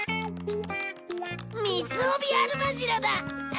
ミツオビアルマジロだ！